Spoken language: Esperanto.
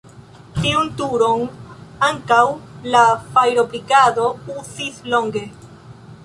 Tiun turon ankaŭ la fajrobrigado uzis longe.